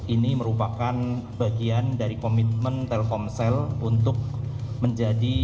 ini merupakan bagian dari komitmen telkomsel untuk menjadi